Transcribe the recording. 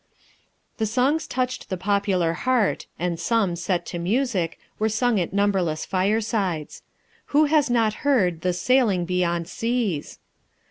The songs touched the popular heart, and some, set to music, were sung at numberless firesides. Who has not heard the _Sailing beyond Seas?